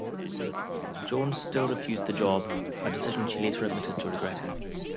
Jones still refused the job, a decision she later admitted to regretting.